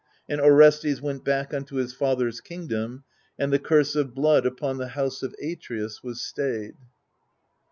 And Orestes went back unto his father's kingdom, and the ctu'se of blood upon the house of Atreus was stayed.